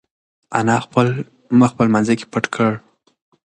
انا خپل مخ په لمانځه کې پټ کړ.